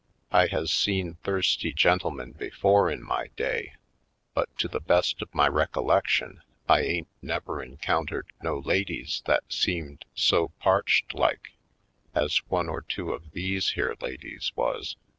I has seen thirsty gentlemen before in my day but to the best of my recollection I ain't never encountered no ladies that seemed so parched like as one or two of these here ladies was.